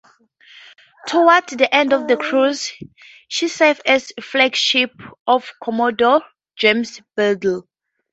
Toward the end of the cruise she served as flagship of Commodore James Biddle.